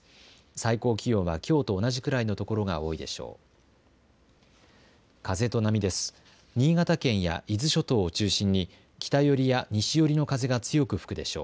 最高気温は、きょうと同じぐらいの所が多いでしょう。